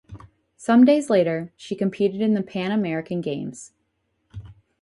Some days later, she competed in the Pan American Games.